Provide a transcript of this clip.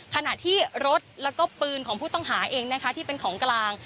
ขณะที่รถแล้วก็ปืนของผู้ต้องหาเองนะคะที่เป็นของกลาง